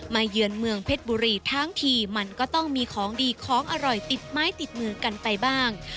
เยือนเมืองเพชรบุรีทั้งทีมันก็ต้องมีของดีของอร่อยติดไม้ติดมือกันไปบ้าง